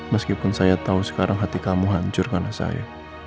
meskipun saya tahu sekarang hati kamu hancur karena saya